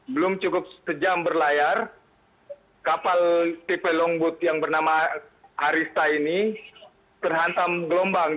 belum cukup sejam berlayar kapal tipe longboat yang bernama arista ini terhantam gelombang